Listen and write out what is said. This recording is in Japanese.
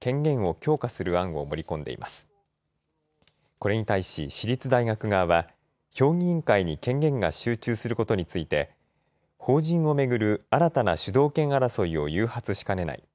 これに対し、私立大学側は、評議員会に権限が集中することについて、法人を巡る新たな主導権争いを誘発しかねない。